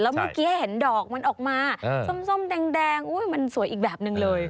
เมื่อกี้เห็นดอกมันออกมาส้มแดงมันสวยอีกแบบนึงเลย